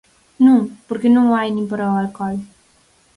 Non, porque non o hai nin para o alcohol.